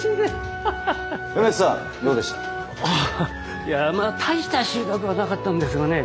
いや大した収穫はなかったんですがね